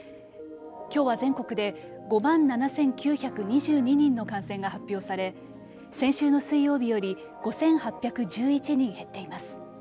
きょうは全国で５万７９２２人の感染が発表され先週の水曜日より５８１１人減っています。